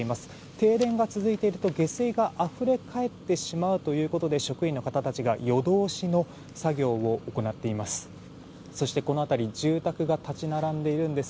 停電が続いていると下水があふれかえってしまうということで職員の方たちが夜通しの作業を行っています。